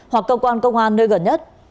hoặc cơ quan công an nơi gần nhất